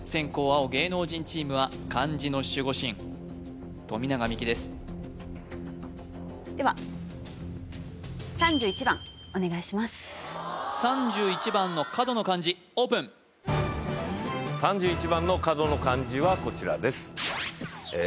青芸能人チームは漢字の守護神富永美樹ですでは３１番の角の漢字オープン３１番の角の漢字はこちらですええ